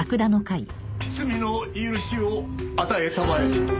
罪の許しを与えたまえ。